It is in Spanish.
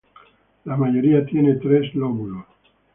La mayoría tiene tres lóbulos.